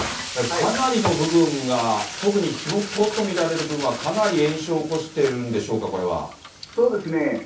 かなりの部分が、特に火元と見られる部分はかなり延焼を起こしてるんでしょうか、これは。